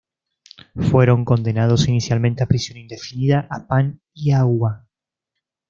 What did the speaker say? Fueron condenados inicialmente a "prisión indefinida" a pan y agua.